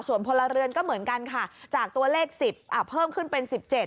ส่วนพลเรือนก็เหมือนกันค่ะจากตัวเลข๑๐เพิ่มขึ้นเป็น๑๗